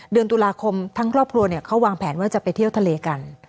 เดือนตุลาคมทั้งครอบครัวเขาวางแผนว่าจะไปเที่ยวทะเลกัน